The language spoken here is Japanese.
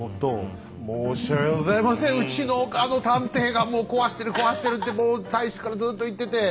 申し訳ございませんうちのあの探偵がもう壊してる壊してるってもう最初からずっと言ってて。